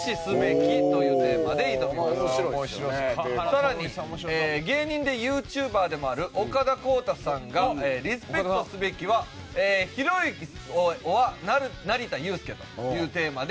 さらに芸人でＹｏｕＴｕｂｅｒでもある岡田康太さんが「リスペクトすべきはひろゆきｏｒ成田悠輔」というテーマで。